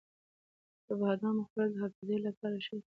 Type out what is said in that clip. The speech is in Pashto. د بادامو خوړل د حافظې لپاره ښه دي.